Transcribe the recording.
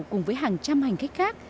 cùng với hàng trăm hành khách khác